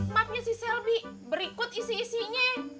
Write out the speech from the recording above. maknya si selby berikut isi isinya